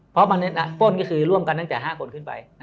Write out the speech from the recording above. เพราะป้นก็คือร่วมกันตั้งแต่๕คนขึ้นไป